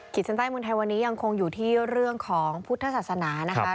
เส้นใต้เมืองไทยวันนี้ยังคงอยู่ที่เรื่องของพุทธศาสนานะคะ